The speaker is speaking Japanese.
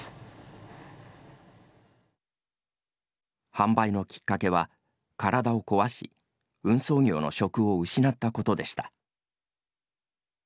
販売のきっかけは、体を壊し運送業の職を失ったことでした。